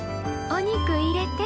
お肉入れて。